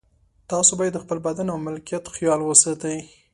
تاسو باید د خپل بدن او ملکیت خیال وساتئ.